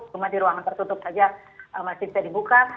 cuma di ruangan tertutup saja masih bisa dibuka